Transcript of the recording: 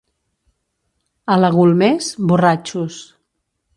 A la Golmés, borratxos.